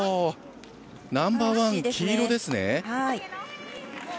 ナンバーワン、黄色ですね。